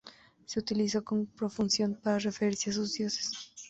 Se utilizó con profusión para referirse a sus dioses.